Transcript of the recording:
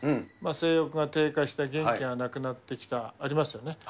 性欲が低下した、元気がなくなってきた、ありますよね。